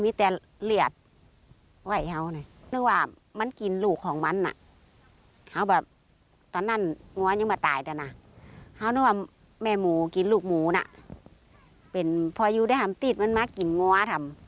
เป็นพออยู่ได้ห่ำติดมันมากินงว้าทำ